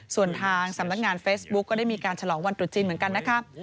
ส่วนทางสำนักงานเฟซบุ๊กก็ได้มีการฉลองวันตรุษจีนเหมือนกันนะครับ